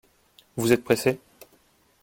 Vous êtes pressé ?